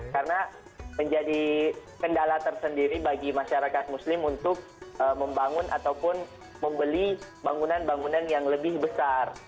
karena menjadi kendala tersendiri bagi masyarakat muslim untuk membangun ataupun membeli bangunan bangunan yang lebih besar